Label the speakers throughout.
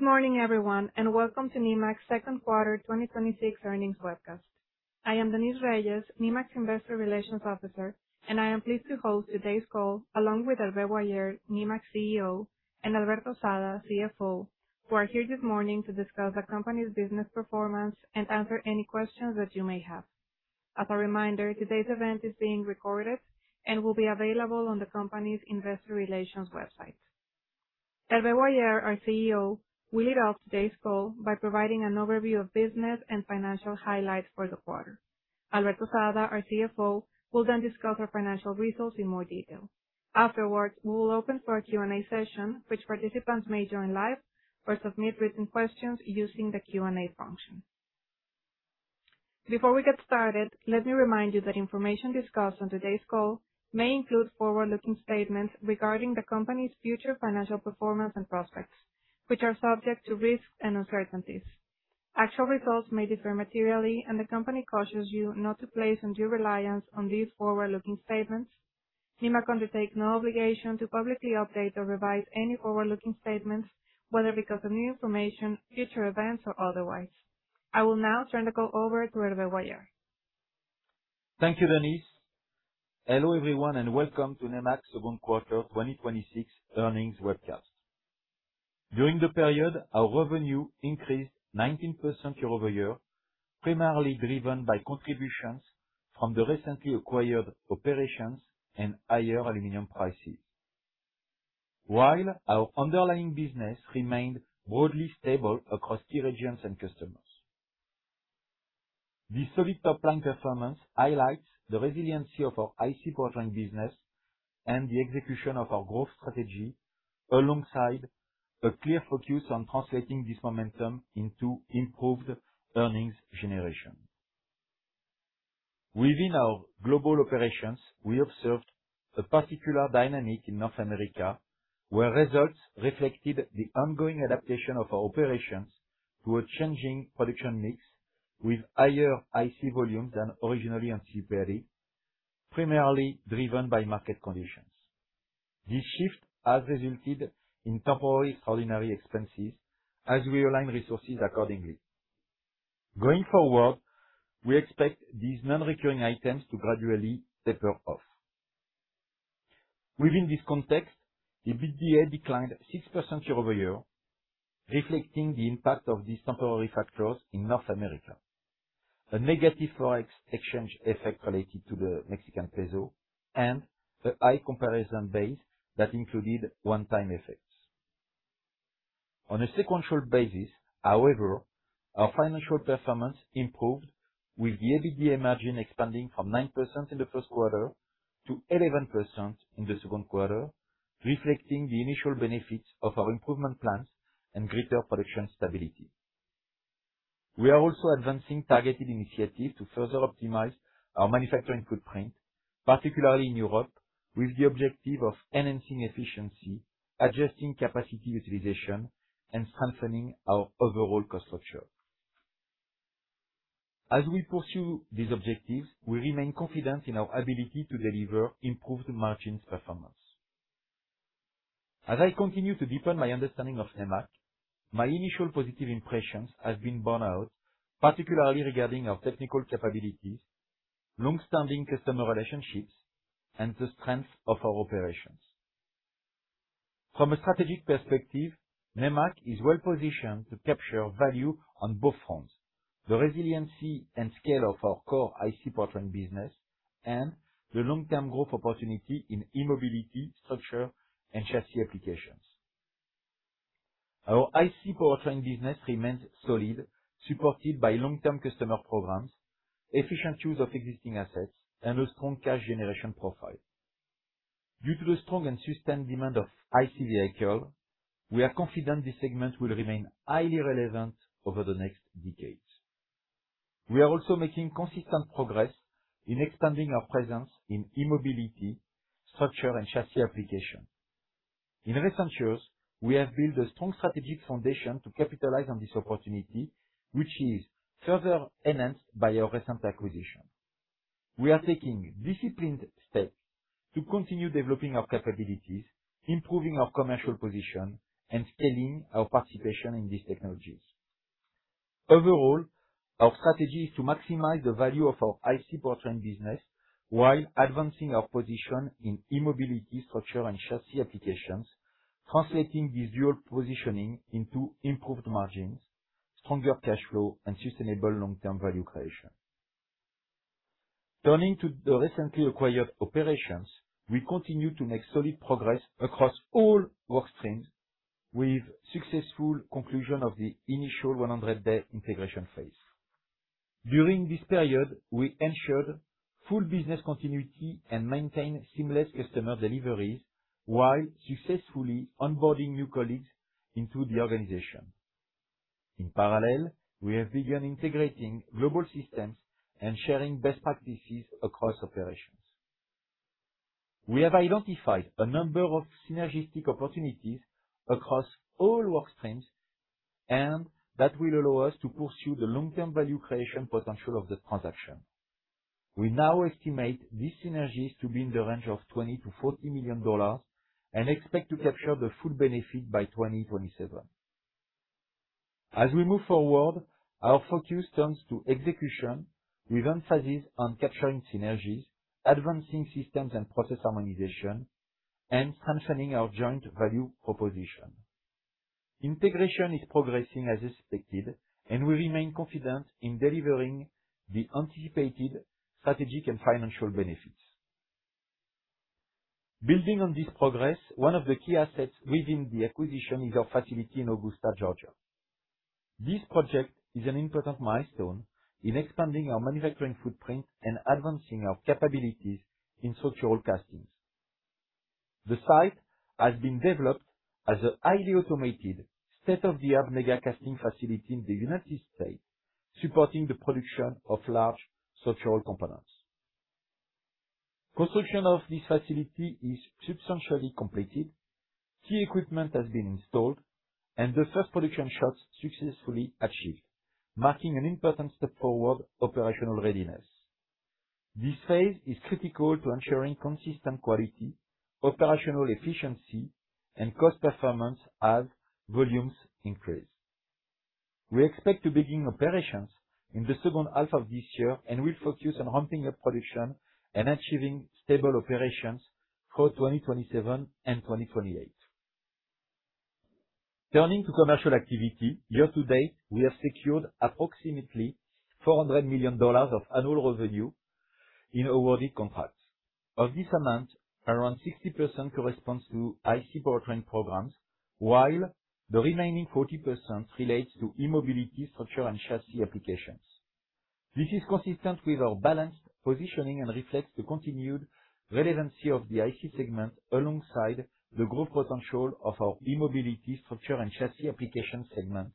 Speaker 1: Good morning everyone, welcome to Nemak's second quarter 2026 earnings webcast. I am Denise Reyes, Nemak's Investor Relations Officer, I am pleased to host today's call along with Hervé Boyer, Nemak's CEO, and Alberto Sada, CFO, who are here this morning to discuss the company's business performance and answer any questions that you may have. As a reminder, today's event is being recorded and will be available on the company's investor relations website. Hervé Boyer, our CEO, will lead off today's call by providing an overview of business and financial highlights for the quarter. Alberto Sada, our CFO, will discuss our financial results in more detail. Afterwards, we will open for our Q&A session, which participants may join live or submit written questions using the Q&A function. Before we get started, let me remind you that information discussed on today's call may include forward-looking statements regarding the company's future financial performance and prospects, which are subject to risks and uncertainties. Actual results may differ materially, the company cautions you not to place undue reliance on these forward-looking statements. Nemak undertakes no obligation to publicly update or revise any forward-looking statements, whether because of new information, future events, or otherwise. I will now turn the call over to Hervé Boyer.
Speaker 2: Thank you, Denise. Hello, everyone, welcome to Nemak's second quarter 2026 earnings webcast. During the period, our revenue increased 19% year-over-year, primarily driven by contributions from the recently acquired operations and higher aluminum prices, while our underlying business remained broadly stable across key regions and customers. This solid top-line performance highlights the resiliency of our ICE powertrain business and the execution of our growth strategy, alongside a clear focus on translating this momentum into improved earnings generation. Within our global operations, we observed a particular dynamic in North America, where results reflected the ongoing adaptation of our operations to a changing production mix with higher ICE volume than originally anticipated, primarily driven by market conditions. This shift has resulted in temporary extraordinary expenses as we align resources accordingly. Going forward, we expect these non-recurring items to gradually taper off. Within this context, EBITDA declined 6% year-over-year, reflecting the impact of these temporary factors in North America, a negative Forex exchange effect related to the Mexican peso, a high comparison base that included one-time effects. On a sequential basis, however, our financial performance improved with the EBITDA margin expanding from 9% in the first quarter to 11% in the second quarter, reflecting the initial benefits of our improvement plans and greater production stability. We are also advancing targeted initiatives to further optimize our manufacturing footprint, particularly in Europe, with the objective of enhancing efficiency, adjusting capacity utilization, and strengthening our overall cost structure. As we pursue these objectives, we remain confident in our ability to deliver improved margins performance. As I continue to deepen my understanding of Nemak, my initial positive impressions have been borne out, particularly regarding our technical capabilities, long-standing customer relationships, and the strength of our operations. From a strategic perspective, Nemak is well positioned to capture value on both fronts. The resiliency and scale of our core IC powertrain business and the long-term growth opportunity in e-mobility, structure, and chassis applications. Our IC powertrain business remains solid, supported by long-term customer programs, efficient use of existing assets, and a strong cash generation profile. Due to the strong and sustained demand of IC vehicle, we are confident this segment will remain highly relevant over the next decade. We are also making consistent progress in expanding our presence in e-mobility, structure, and chassis application. In recent years, we have built a strong strategic foundation to capitalize on this opportunity, which is further enhanced by our recent acquisition. We are taking disciplined steps to continue developing our capabilities, improving our commercial position, and scaling our participation in these technologies. Overall, our strategy is to maximize the value of our IC powertrain business while advancing our position in e-mobility structure and chassis applications, translating this dual positioning into improved margins, stronger cash flow, and sustainable long-term value creation. Turning to the recently acquired operations, we continue to make solid progress across all workstreams with successful conclusion of the initial 100-day integration phase. During this period, we ensured full business continuity and maintained seamless customer deliveries while successfully onboarding new colleagues into the organization. In parallel, we have begun integrating global systems and sharing best practices across operations. We have identified a number of synergistic opportunities across all workstreams and that will allow us to pursue the long-term value creation potential of the transaction. We now estimate these synergies to be in the range of $20 million-$40 million and expect to capture the full benefit by 2027. As we move forward, our focus turns to execution with emphasis on capturing synergies, advancing systems and process harmonization, and strengthening our joint value proposition. Integration is progressing as expected, and we remain confident in delivering the anticipated strategic and financial benefits. Building on this progress, one of the key assets within the acquisition is our facility in Augusta, Georgia. This project is an important milestone in expanding our manufacturing footprint and advancing our capabilities in structural castings. The site has been developed as a highly automated state-of-the-art Mega-casting facility in the United States, supporting the production of large structural components. Construction of this facility is substantially completed. Key equipment has been installed, and the first production shots successfully achieved, marking an important step toward operational readiness. This phase is critical to ensuring consistent quality, operational efficiency, and cost performance as volumes increase. We expect to begin operations in the second half of this year, and we'll focus on ramping up production and achieving stable operations for 2027 and 2028. Turning to commercial activity, year to date, we have secured approximately $400 million of annual revenue in awarded contracts. Of this amount, around 60% corresponds to IC powertrain programs, while the remaining 40% relates to e-mobility structure and chassis applications. This is consistent with our balanced positioning and reflects the continued relevancy of the IC segment, alongside the growth potential of our e-mobility structure and chassis application segment,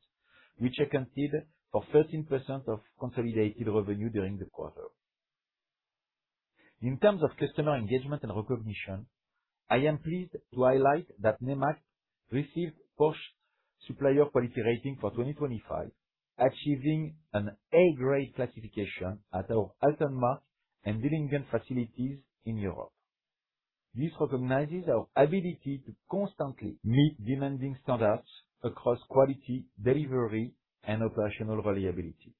Speaker 2: which accounted for 13% of consolidated revenue during the quarter. In terms of customer engagement and recognition, I am pleased to highlight that Nemak received Porsche Supplier Quality Rating for 2025, achieving an A grade classification at our Altenmarkt and Dillingen facilities in Europe. This recognizes our ability to constantly meet demanding standards across quality, delivery, and operational reliability.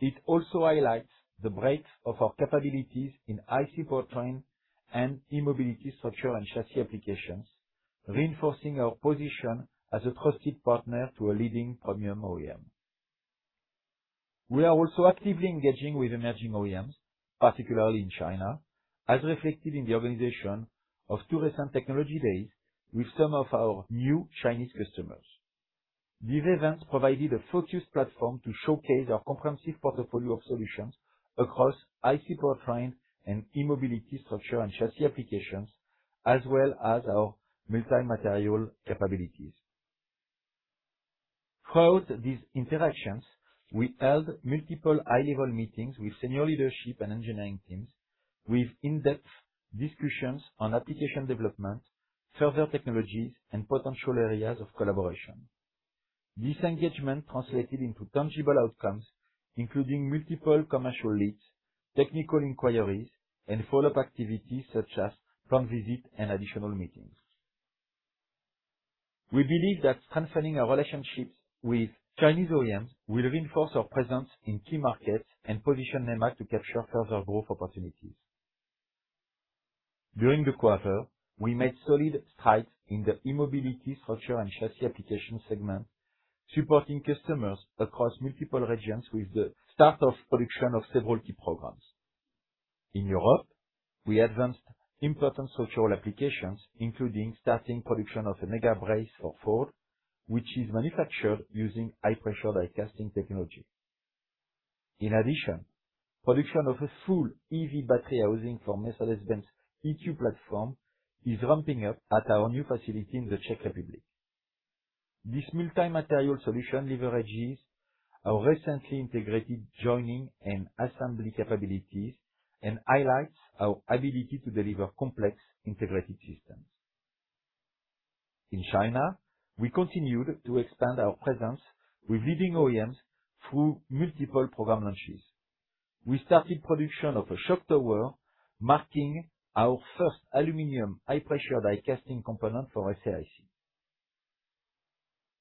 Speaker 2: It also highlights the breadth of our capabilities in ICE powertrain and e-mobility structure and chassis applications, reinforcing our position as a trusted partner to a leading premium OEM. We are also actively engaging with emerging OEMs, particularly in China, as reflected in the organization of two recent technology days with some of our new Chinese customers. These events provided a focused platform to showcase our comprehensive portfolio of solutions across ICE powertrain and e-mobility structure and chassis applications, as well as our multi-material capabilities. Throughout these interactions, we held multiple high-level meetings with senior leadership and engineering teams with in-depth discussions on application development, further technologies, and potential areas of collaboration. This engagement translated into tangible outcomes, including multiple commercial leads, technical inquiries, and follow-up activities such as plant visit and additional meetings. We believe that strengthening our relationships with Chinese OEMs will reinforce our presence in key markets and position Nemak to capture further growth opportunities. During the quarter, we made solid strides in the e-mobility structure and chassis application segment, supporting customers across multiple regions with the start of production of several key programs. In Europe, we advanced important structural applications, including starting production of a mega brace for Ford, which is manufactured using high-pressure die casting technology. Production of a full EV battery housing for Mercedes-Benz EQ platform is ramping up at our new facility in the Czech Republic. This multi-material solution leverages our recently integrated joining and assembly capabilities and highlights our ability to deliver complex integrated systems. In China, we continued to expand our presence with leading OEMs through multiple program launches. We started production of a shock tower, marking our first aluminum high-pressure die casting component for SAIC.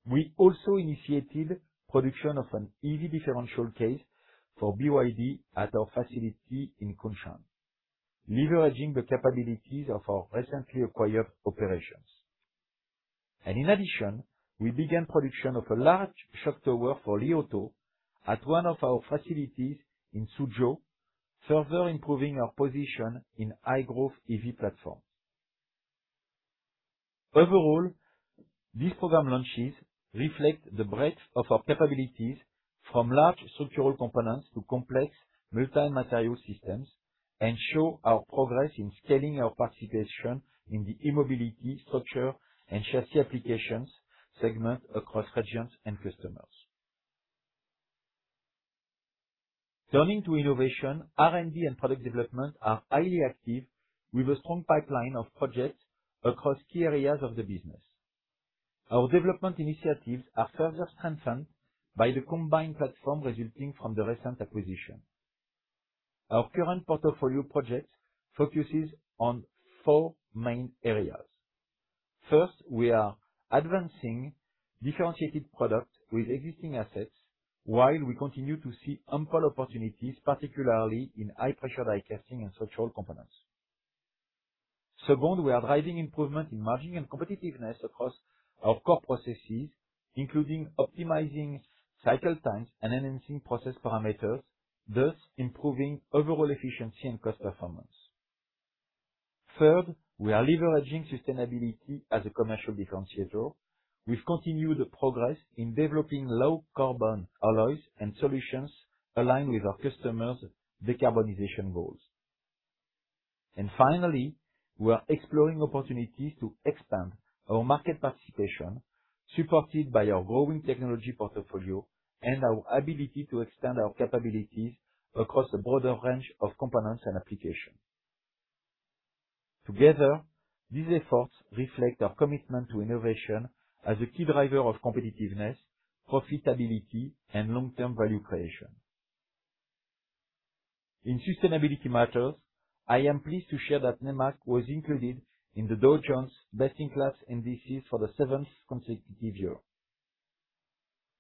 Speaker 2: We also initiated production of an EV differential case for BYD at our facility in Kunshan, leveraging the capabilities of our recently acquired operations. We began production of a large shock tower for Li Auto at one of our facilities in Suzhou, further improving our position in high-growth EV platforms. Overall, these program launches reflect the breadth of our capabilities from large structural components to complex multi-material systems and show our progress in scaling our participation in the e-mobility structure and chassis applications segment across regions and customers. Turning to innovation, R&D and product development are highly active with a strong pipeline of projects across key areas of the business. Our development initiatives are further strengthened by the combined platform resulting from the recent acquisition. Our current portfolio project focuses on four main areas. First, we are advancing differentiated product with existing assets while we continue to see ample opportunities, particularly in high-pressure die casting and structural components. Second, we are driving improvement in margin and competitiveness across our core processes, including optimizing cycle times and enhancing process parameters, thus improving overall efficiency and cost performance. Third, we are leveraging sustainability as a commercial differentiator. We've continued progress in developing low-carbon alloys and solutions aligned with our customers' decarbonization goals. Finally, we are exploring opportunities to expand our market participation, supported by our growing technology portfolio and our ability to extend our capabilities across a broader range of components and applications. Together, these efforts reflect our commitment to innovation as a key driver of competitiveness, profitability, and long-term value creation. In sustainability matters, I am pleased to share that Nemak was included in the Dow Jones Best-in-Class Indices for the seventh consecutive year.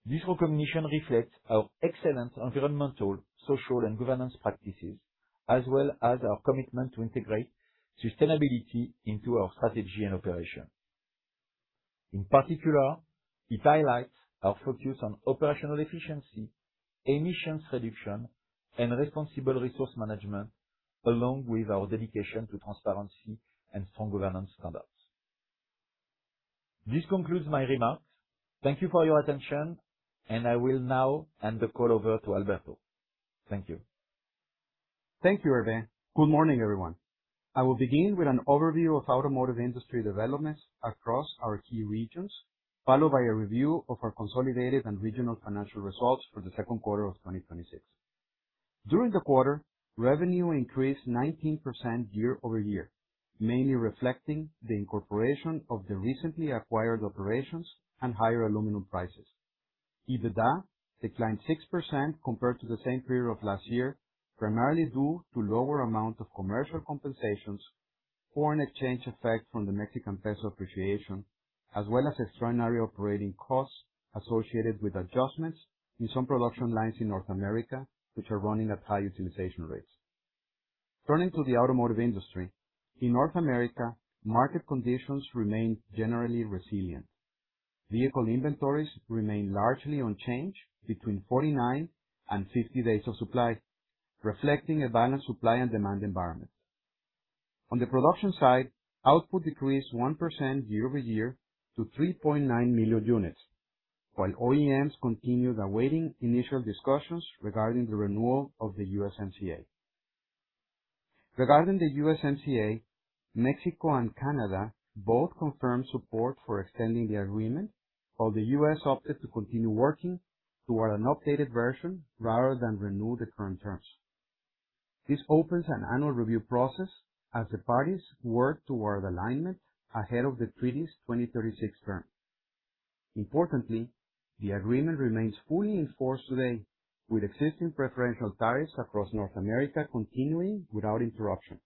Speaker 2: This recognition reflects our excellent environmental, social, and governance practices, as well as our commitment to integrate sustainability into our strategy and operation. In particular, it highlights our focus on operational efficiency, emissions reduction, and responsible resource management, along with our dedication to transparency and strong governance standards. This concludes my remarks. Thank you for your attention. I will now hand the call over to Alberto. Thank you.
Speaker 3: Thank you, Hervé. Good morning, everyone. I will begin with an overview of automotive industry developments across our key regions, followed by a review of our consolidated and regional financial results for the second quarter of 2026. During the quarter, revenue increased 19% year-over-year, mainly reflecting the incorporation of the recently acquired operations and higher aluminum prices. EBITDA declined 6% compared to the same period of last year, primarily due to lower amount of commercial compensations, foreign exchange effect from the Mexican peso appreciation, as well as extraordinary operating costs associated with adjustments in some production lines in North America, which are running at high utilization rates. Turning to the automotive industry. In North America, market conditions remain generally resilient. Vehicle inventories remain largely unchanged between 49 and 50 days of supply, reflecting a balanced supply and demand environment. On the production side, output decreased 1% year-over-year to 3.9 million units, while OEMs continued awaiting initial discussions regarding the renewal of the USMCA. The USMCA, Mexico and Canada both confirmed support for extending the agreement, while the U.S. opted to continue working toward an updated version rather than renew the current terms. This opens an annual review process as the parties work toward alignment ahead of the treaty's 2036 term. Importantly, the agreement remains fully in force today, with existing preferential tariffs across North America continuing without interruption.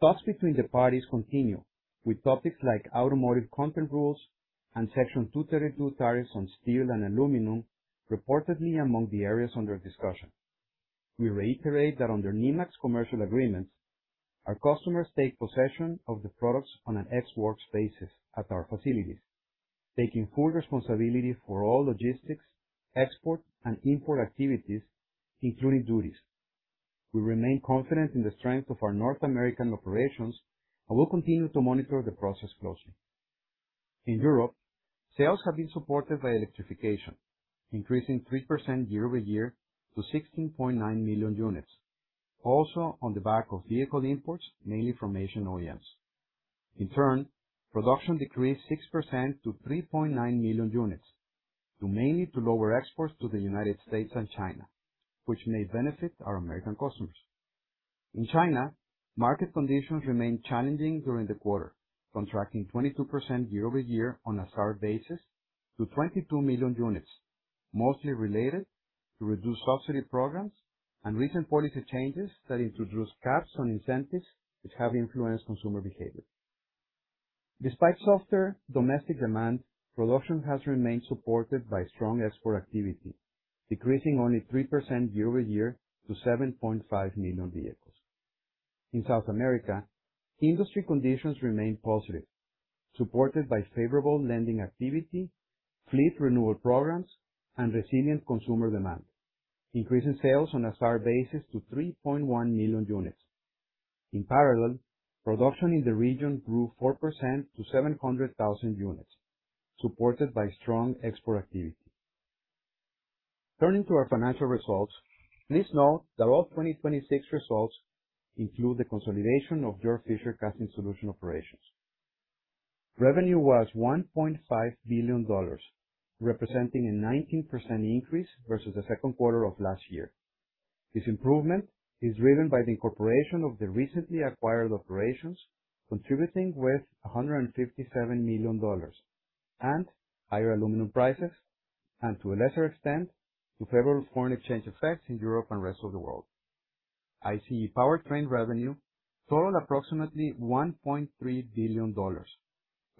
Speaker 3: Talks between the parties continue, with topics like automotive content rules and Section 232 tariffs on steel and aluminum reportedly among the areas under discussion. We reiterate that under Nemak's commercial agreements, our customers take possession of the products on an Ex Works basis at our facilities, taking full responsibility for all logistics, export, and import activities, including duties. We remain confident in the strength of our North American operations and will continue to monitor the process closely. In Europe, sales have been supported by electrification, increasing 3% year-over-year to 16.9 million units, also on the back of vehicle imports, mainly from Asian OEMs. In turn, production decreased 6% to 3.9 million units, due mainly to lower exports to the U.S. and China, which may benefit our American customers. In China, market conditions remained challenging during the quarter, contracting 22% year-over-year on a SAR basis to 22 million units, mostly related to reduced subsidy programs and recent policy changes that introduced caps on incentives, which have influenced consumer behavior. Despite softer domestic demand, production has remained supported by strong export activity, decreasing only 3% year-over-year to 7.5 million vehicles. In South America, industry conditions remain positive, supported by favorable lending activity, fleet renewal programs, and resilient consumer demand, increasing sales on a SAR basis to 3.1 million units. In parallel, production in the region grew 4% to 700,000 units, supported by strong export activity. Turning to our financial results. Please note that all 2026 results include the consolidation of GF Casting Solutions operations. Revenue was $1.5 billion, representing a 19% increase versus the second quarter of last year. This improvement is driven by the incorporation of the recently acquired operations, contributing with $157 million and higher aluminum prices, and to a lesser extent, favorable foreign exchange effects in Europe and rest of the world. ICE powertrain revenue totaled approximately $1.3 billion,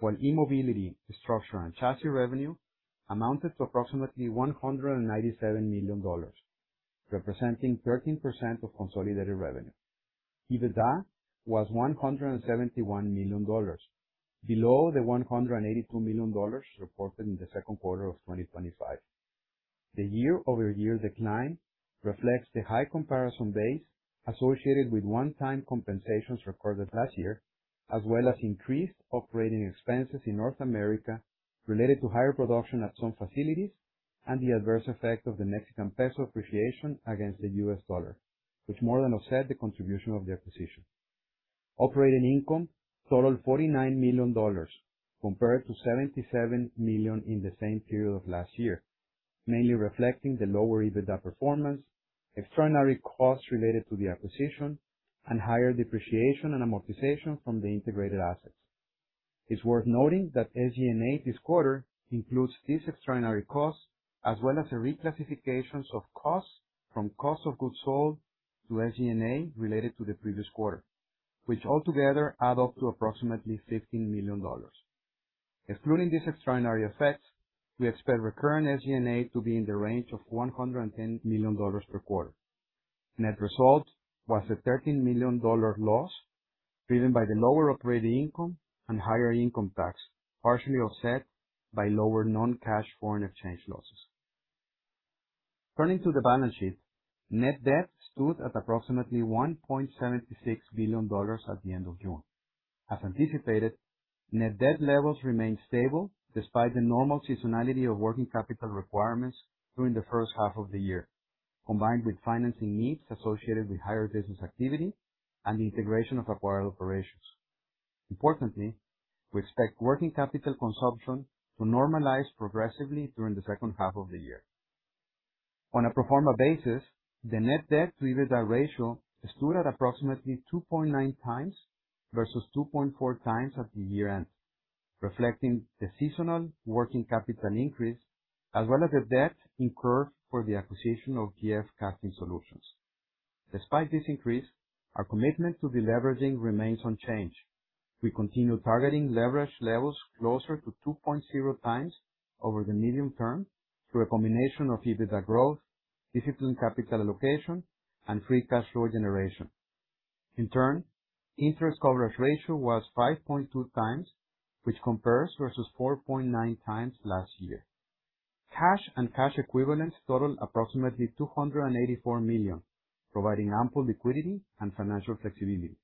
Speaker 3: while e-mobility structure and chassis revenue amounted to approximately $197 million, representing 13% of consolidated revenue. EBITDA was $171 million, below the $182 million reported in the second quarter of 2025. The year-over-year decline reflects the high comparison base associated with one-time compensations recorded last year, as well as increased operating expenses in North America related to higher production at some facilities, and the adverse effect of the Mexican peso appreciation against the US dollar, which more than offset the contribution of the acquisition. Operating income totaled $49 million compared to $77 million in the same period of last year, mainly reflecting the lower EBITDA performance, extraordinary costs related to the acquisition, and higher depreciation and amortization from the integrated assets. It is worth noting that SG&A this quarter includes these extraordinary costs, as well as the reclassifications of costs from cost of goods sold to SG&A related to the previous quarter, which altogether add up to approximately $15 million. Excluding these extraordinary effects, we expect recurrent SG&A to be in the range of $110 million per quarter. Net result was a $13 million loss, driven by the lower operating income and higher income tax, partially offset by lower non-cash foreign exchange losses. Turning to the balance sheet, net debt stood at approximately $1.76 billion at the end of June. As anticipated, net debt levels remained stable despite the normal seasonality of working capital requirements during the first half of the year, combined with financing needs associated with higher business activity and the integration of acquired operations. Importantly, we expect working capital consumption to normalize progressively during the second half of the year. On a pro forma basis, the net debt-to-EBITDA ratio stood at approximately 2.9 times versus 2.4 times at the year-end, reflecting the seasonal working capital increase as well as the debt incurred for the acquisition of GF Casting Solutions. Despite this increase, our commitment to deleveraging remains unchanged. We continue targeting leverage levels closer to 2.0 times over the medium term through a combination of EBITDA growth, disciplined capital allocation, and free cash flow generation. In turn, interest coverage ratio was 5.2 times, which compares versus 4.9 times last year. Cash and cash equivalents totaled approximately $284 million, providing ample liquidity and financial flexibility.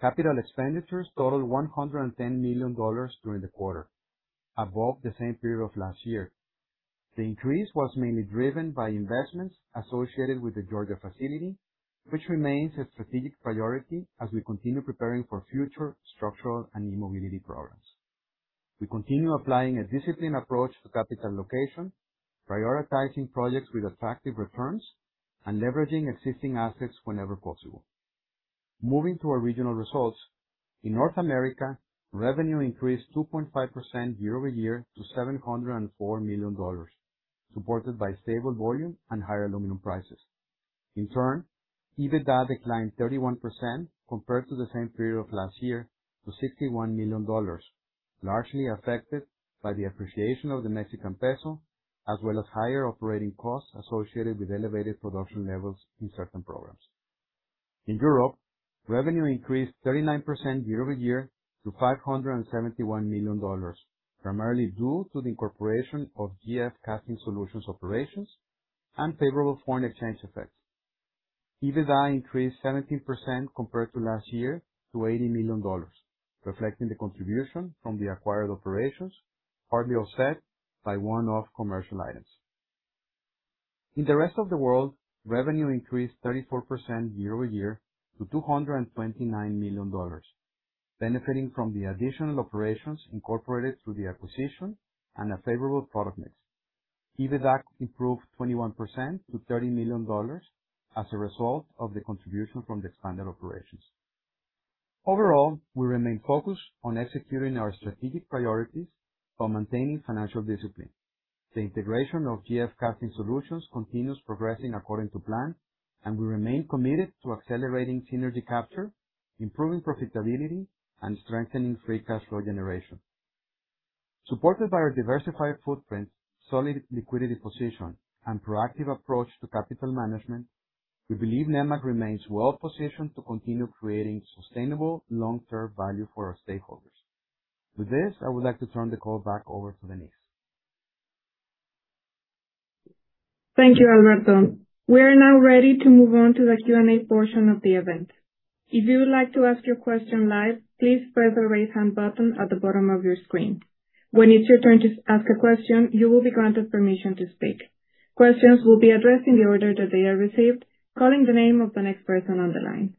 Speaker 3: Capital expenditures totaled $110 million during the quarter, above the same period of last year. The increase was mainly driven by investments associated with the Georgia facility, which remains a strategic priority as we continue preparing for future structural and e-mobility programs. We continue applying a disciplined approach to capital allocation, prioritizing projects with attractive returns and leveraging existing assets whenever possible. Moving to our regional results. In North America, revenue increased 2.5% year-over-year to $704 million, supported by stable volume and higher aluminum prices. EBITDA declined 31% compared to the same period of last year to $61 million, largely affected by the appreciation of the Mexican peso, as well as higher operating costs associated with elevated production levels in certain programs. In Europe, revenue increased 39% year-over-year to $571 million, primarily due to the incorporation of GF Casting Solutions operations and favorable foreign exchange effects. EBITDA increased 17% compared to last year to $80 million, reflecting the contribution from the acquired operations, partly offset by one-off commercial items. In the rest of the world, revenue increased 34% year-over-year to $229 million, benefiting from the additional operations incorporated through the acquisition and a favorable product mix. EBITDA improved 21% to $30 million as a result of the contribution from the expanded operations. We remain focused on executing our strategic priorities while maintaining financial discipline. The integration of GF Casting Solutions continues progressing according to plan. We remain committed to accelerating synergy capture, improving profitability, and strengthening free cash flow generation. Supported by our diversified footprint, solid liquidity position, and proactive approach to capital management, we believe Nemak remains well positioned to continue creating sustainable long-term value for our stakeholders. With this, I would like to turn the call back over to Denise.
Speaker 1: Thank you, Alberto. We are now ready to move on to the Q&A portion of the event. If you would like to ask your question live, please press the Raise Hand button at the bottom of your screen. When it's your turn to ask a question, you will be granted permission to speak. Questions will be addressed in the order that they are received, calling the name of the next person on the line.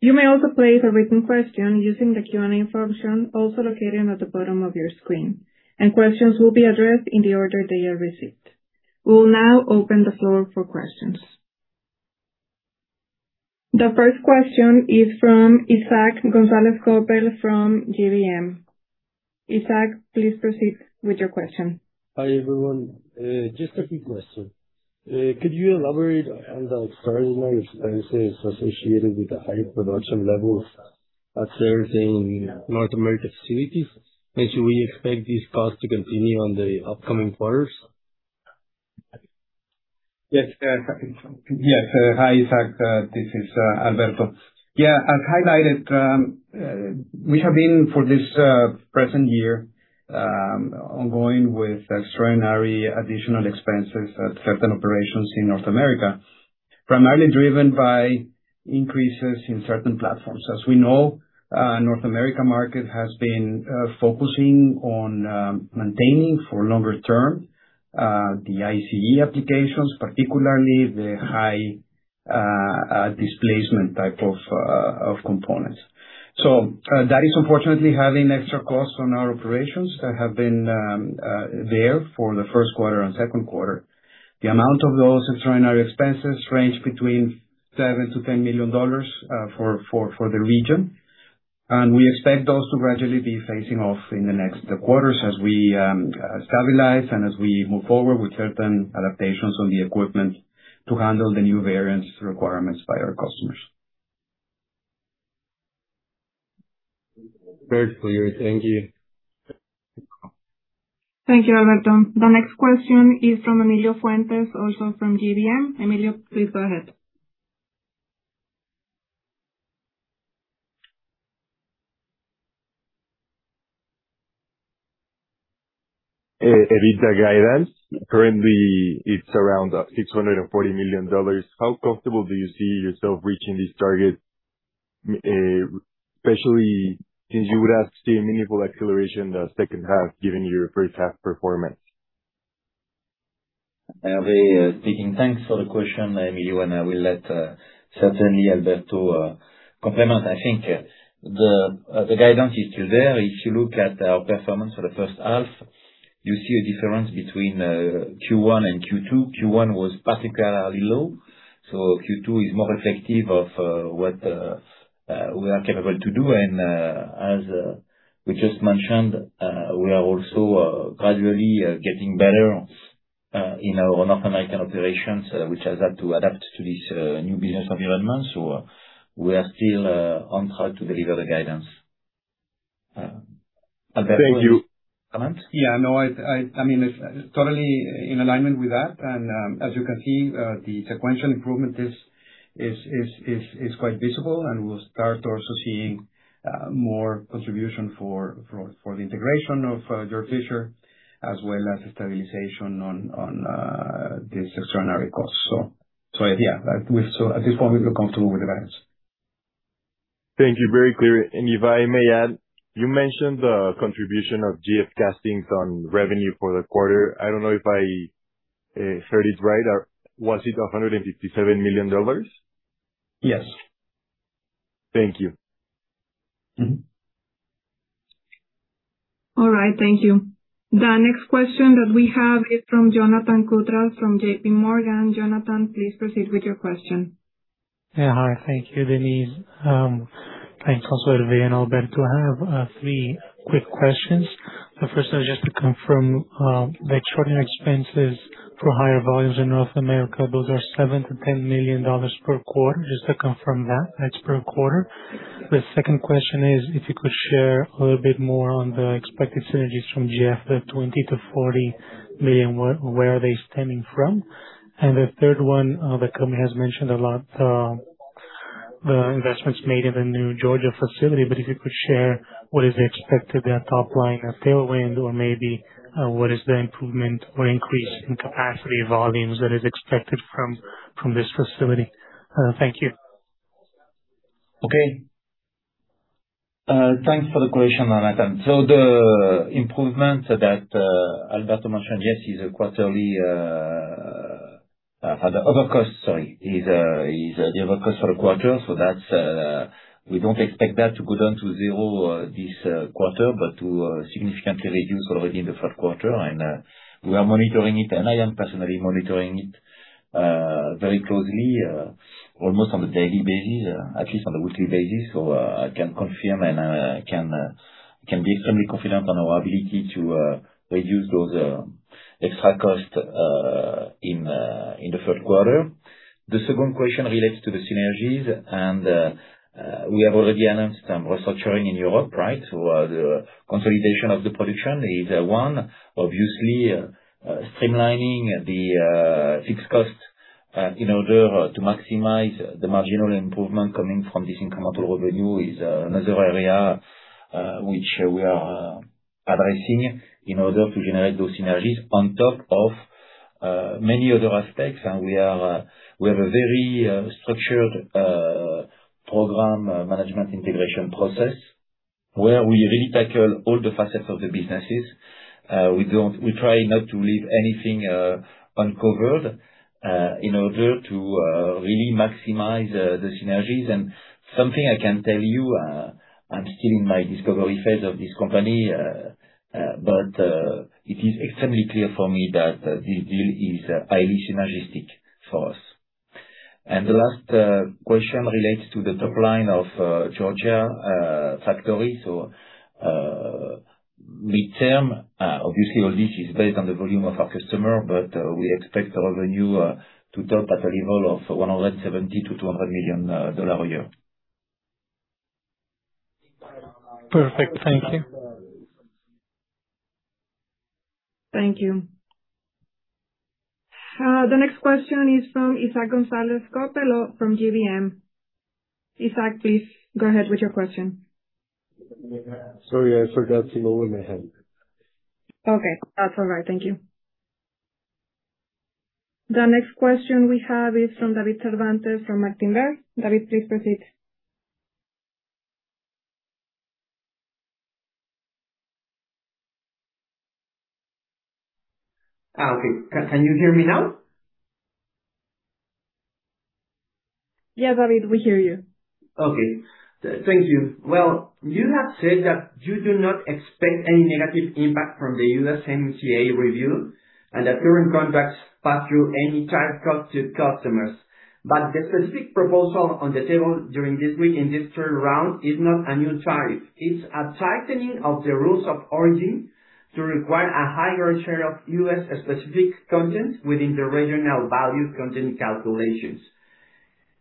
Speaker 1: You may also place a written question using the Q&A function, also located at the bottom of your screen. Questions will be addressed in the order they are received. We will now open the floor for questions. The first question is from Isaac Gonzalez Coppel from GBM. Isaac, please proceed with your question.
Speaker 4: Hi, everyone. Just a quick question. Could you elaborate on the extraordinary expenses associated with the high production levels observed in North American facilities? Should we expect these costs to continue on the upcoming quarters?
Speaker 3: Yes. Hi, Isaac, this is Alberto. As highlighted, we have been, for this present year, ongoing with extraordinary additional expenses at certain operations in North America, primarily driven by increases in certain platforms. As we know, North America market has been focusing on maintaining for longer term, the ICE applications, particularly the high displacement type of components. That is unfortunately having extra costs on our operations that have been there for the first quarter and second quarter. The amount of those extraordinary expenses range between $7 million-$10 million for the region. We expect those to gradually be phasing off in the next quarters as we stabilize and as we move forward with certain adaptations on the equipment to handle the new variants requirements by our customers.
Speaker 4: Very clear. Thank you.
Speaker 1: Thank you, Alberto. The next question is from Emilio Fuentes, also from GBM. Emilio, please go ahead.
Speaker 5: EBITDA guidance, currently it's around $840 million. How comfortable do you see yourself reaching this target, especially since you would have seen meaningful acceleration in the second half given your first half performance?
Speaker 2: Hervé speaking. Thanks for the question, Emilio, and I will let certainly Alberto complement. I think the guidance is still there. If you look at our performance for the first half, you see a difference between Q1 and Q2. Q1 was particularly low, Q2 is more reflective of what we are capable to do. As we just mentioned, we are also gradually getting better in our North American operations, which has had to adapt to this new business environment. We are still on track to deliver the guidance. Alberto.
Speaker 5: Thank you.
Speaker 3: Comments? Yeah, no, it's totally in alignment with that. As you can see, the sequential improvement is quite visible, and we'll start also seeing more contribution for the integration of Georg Fischer as well as stabilization on these extraordinary costs. Yeah, at this point, we feel comfortable with the guidance.
Speaker 5: Thank you. Very clear. If I may add, you mentioned the contribution of GF Castings on revenue for the quarter. I don't know if I heard it right. Was it $157 million?
Speaker 3: Yes.
Speaker 5: Thank you.
Speaker 1: All right. Thank you. The next question that we have is from Jonathan Koutras from JPMorgan. Jonathan, please proceed with your question.
Speaker 6: Yeah. Hi. Thank you, Denise. Thanks also, Hervé and Alberto. I have three quick questions. The first is just to confirm, the extraordinary expenses for higher volumes in North America, those are $7 million-$10 million per quarter, just to confirm that's per quarter? The second question is, if you could share a little bit more on the expected synergies from GF, the $20 million-$40 million, where are they stemming from? The third one, the company has mentioned a lot the investments made in the new Georgia facility, if you could share what is expected there top line a tailwind or maybe what is the improvement or increase in capacity volumes that is expected from this facility? Thank you.
Speaker 3: Okay. Thanks for the question, Jonathan. The improvement that Alberto mentioned, yes, is a quarterly The overcost, sorry, is the overcost for a quarter. That, we don't expect that to go down to zero this quarter, but to significantly reduce already in the third quarter. We are monitoring it, and I am personally monitoring it very closely, almost on a daily basis, at least on a weekly basis. I can confirm, and I can be extremely confident on our ability to reduce those extra costs in the third quarter. The second question relates to the synergies, and we have already announced some restructuring in Europe, right? The consolidation of the production is one. Obviously, streamlining the fixed cost in order to maximize the marginal improvement coming from this incremental revenue is another area which we are addressing in order to generate those synergies on top of many other aspects. We have a very structured program management integration process where we really tackle all the facets of the businesses. We try not to leave anything uncovered, in order to really maximize the synergies. Something I can tell you, I'm still in my discovery phase of this company, but it is extremely clear for me that this deal is highly synergistic for us. The last question relates to the top-line of Georgia factory. Mid-term, obviously all this is based on the volume of our customer, but we expect our revenue to top at a level of $170 million-$200 million a year.
Speaker 6: Perfect. Thank you.
Speaker 1: Thank you. The next question is from Isaac Gonzalez Coppel from GBM. Isaac, please go ahead with your question.
Speaker 4: Sorry, I forgot to lower my hand.
Speaker 1: Okay. That's all right. Thank you. The next question we have is from David Cervantes from Martin Beer. David, please proceed.
Speaker 7: Okay. Can you hear me now?
Speaker 1: Yes, David, we hear you.
Speaker 7: Thank you. You have said that you do not expect any negative impact from the USMCA review and that current contracts pass through any tariff cost to customers. The specific proposal on the table during this week in this third round is not a new tariff. It's a tightening of the rules of origin to require a higher share of U.S. specific content within the regional value content calculations.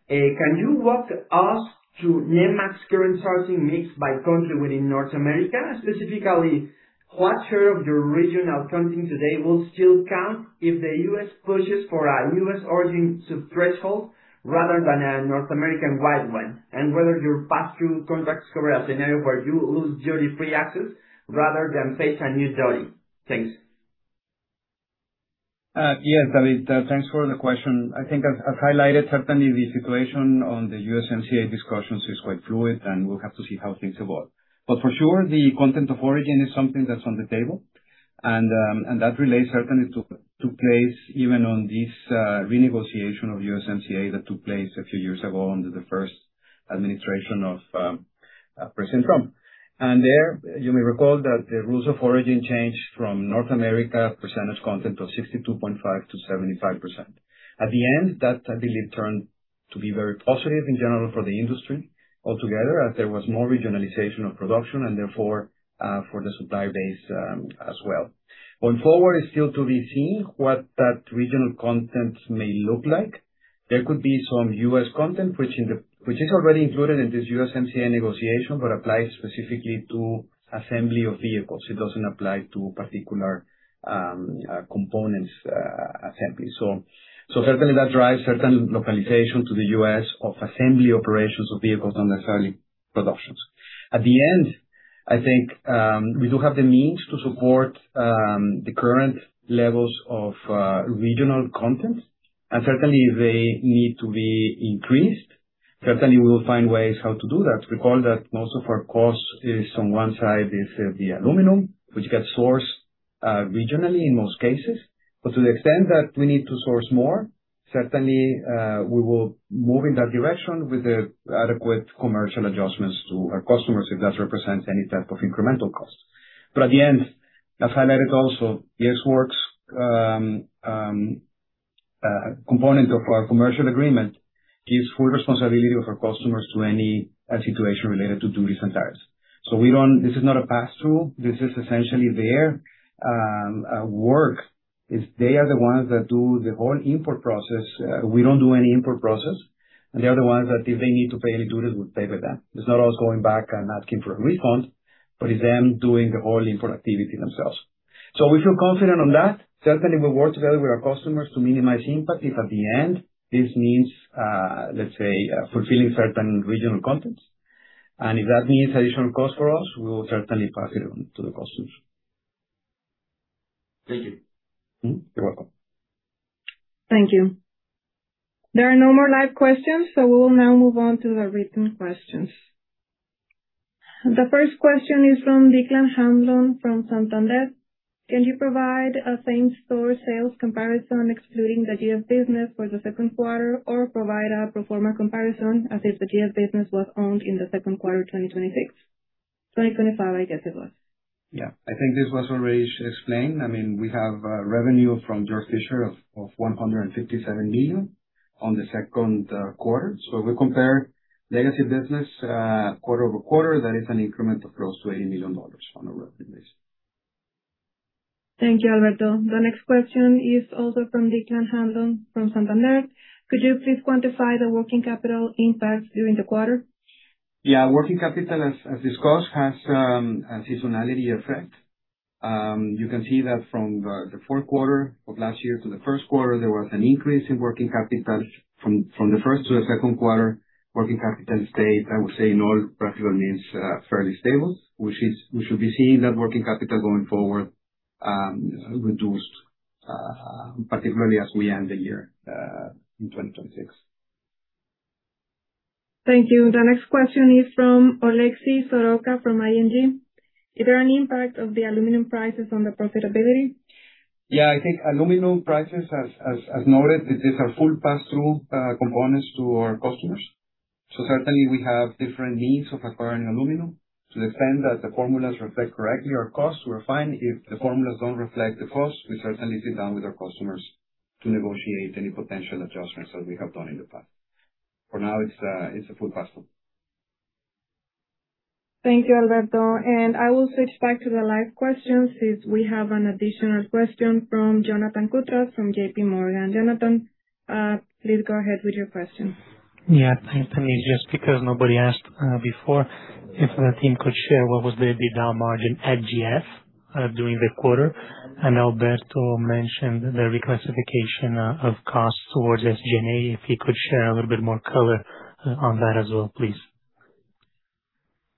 Speaker 7: Can you walk us through Nemak's current sourcing mix by country within North America? Specifically, what share of your regional content today will still count if the U.S. pushes for a U.S. origin sub-threshold rather than a North American-wide one? Whether your pass-through contracts cover a scenario where you lose duty-free access rather than face a new duty? Thanks.
Speaker 3: Yes, David. Thanks for the question. I think as highlighted, certainly the situation on the USMCA discussions is quite fluid, and we'll have to see how things evolve. For sure, the content of origin is something that's on the table, and that relates certainly took place even on this renegotiation of USMCA that took place a few years ago under the first administration of President Trump. There, you may recall that the rules of origin changed from North America percentage content of 62.5% to 75%. At the end, that, I believe, turned to be very positive in general for the industry altogether, as there was more regionalization of production and therefore, for the supply base as well. Going forward, it's still to be seen what that regional content may look like. There could be some U.S. content which is already included in this USMCA negotiation but applies specifically to assembly of vehicles. It doesn't apply to particular components assembly. Certainly that drives certain localization to the U.S. of assembly operations of vehicles, not necessarily productions. At the end, I think, we do have the means to support the current levels of regional content, and certainly they need to be increased. Certainly, we will find ways how to do that. Recall that most of our cost is on one side, is the aluminum, which gets sourced regionally in most cases. To the extent that we need to source more, certainly, we will move in that direction with the adequate commercial adjustments to our customers if that represents any type of incremental cost. At the end, as highlighted also, the ExWorks component of our commercial agreement gives full responsibility of our customers to any situation related to duties and tariffs. This is not a pass-through. This is essentially their work. They are the ones that do the whole import process. We don't do any import process, and they are the ones that if they need to pay any duties, would pay to them. It's not us going back and asking for a refund, but it's them doing the whole import activity themselves. So we feel confident on that. Certainly, we work together with our customers to minimize impact. If at the end this means, let's say, fulfilling certain regional contents, and if that means additional cost for us, we will certainly pass it on to the customers.
Speaker 7: Thank you.
Speaker 3: You're welcome.
Speaker 1: Thank you. There are no more live questions, we will now move on to the written questions. The first question is from Declan Hanlon from Santander. Can you provide a same-store sales comparison excluding the GF business for the second quarter, or provide a pro forma comparison as if the GF business was owned in the second quarter 2025?
Speaker 3: Yeah. I think this was already explained. We have revenue from Georg Fischer of $157 million on the second quarter. We compare legacy business quarter-over-quarter. That is an increment of close to $80 million on a revenue base.
Speaker 1: Thank you, Alberto. The next question is also from Declan Hanlon from Santander. Could you please quantify the working capital impact during the quarter?
Speaker 3: Working capital, as discussed, has a seasonality effect. You can see that from the fourth quarter of last year to the first quarter, there was an increase in working capital. From the first to the second quarter, working capital stayed, I would say in all practical means, fairly stable. We should be seeing that working capital going forward reduced, particularly as we end the year in 2026.
Speaker 1: Thank you. The next question is from Oleksiy Soroka from ING. Is there any impact of the aluminum prices on the profitability?
Speaker 3: I think aluminum prices, as noted, it is a full pass-through components to our customers. Certainly we have different needs of acquiring aluminum. To the extent that the formulas reflect correctly our costs, we're fine. If the formulas don't reflect the costs, we certainly sit down with our customers to negotiate any potential adjustments as we have done in the past. For now, it's a full pass-through.
Speaker 1: Thank you, Alberto. I will switch back to the live questions since we have an additional question from Jonathan Koutras from JPMorgan. Jonathan, please go ahead with your question.
Speaker 6: Thanks, Tammy. Just because nobody asked before, if the team could share what was the EBITDA margin at GF during the quarter? Alberto mentioned the reclassification of costs towards SG&A. If he could share a little bit more color on that as well, please.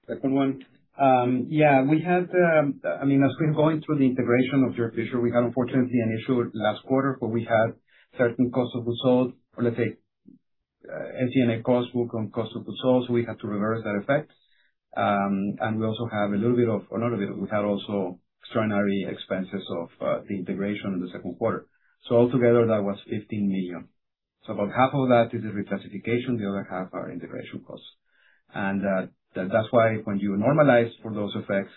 Speaker 3: Second one. As we're going through the integration of Georg Fischer, we had unfortunately an issue last quarter where we had certain cost of goods sold or let's say, SG&A costs moved from cost of goods sold, we had to reverse that effect. We had also extraordinary expenses of the integration in the second quarter. Altogether, that was $15 million. About half of that is the reclassification, the other half are integration costs. That's why when you normalize for those effects,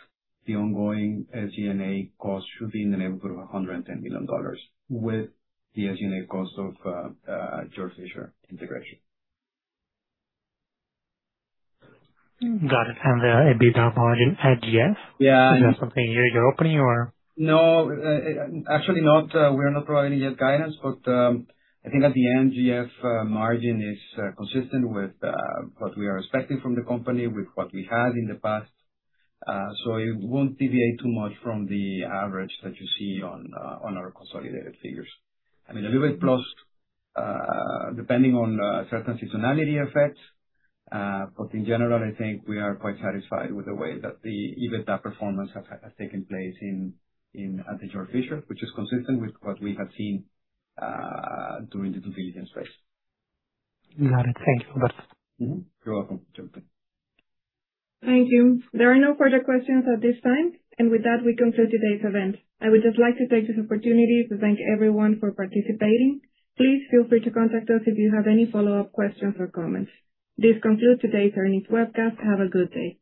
Speaker 3: the ongoing SG&A costs should be in the neighborhood of $110 million with the SG&A cost of Georg Fischer integration.
Speaker 6: Got it. The EBITDA margin at GF-
Speaker 3: Yeah.
Speaker 6: Is that something you're opening or?
Speaker 3: No. Actually, not. We are not providing yet guidance, but I think at the end, GF margin is consistent with what we are expecting from the company, with what we had in the past. It won't deviate too much from the average that you see on our consolidated figures. I mean, a little bit plus, depending on certain seasonality effects. In general, I think we are quite satisfied with the way that even that performance has taken place at Georg Fischer, which is consistent with what we have seen during the due diligence phase.
Speaker 6: Got it. Thank you, Alberto.
Speaker 3: You're welcome, Jonathan.
Speaker 1: Thank you. There are no further questions at this time. With that, we conclude today's event. I would just like to take this opportunity to thank everyone for participating. Please feel free to contact us if you have any follow-up questions or comments. This concludes today's earnings webcast. Have a good day.